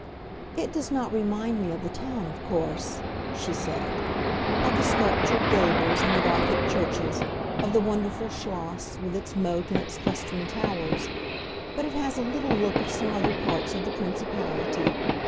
"It does not remind me of the town, of course," she said, "of the sculptured gables and the Gothic churches, of the wonderful Schloss, with its moat and its clustering towers. But it has a little look of some other parts of the principality.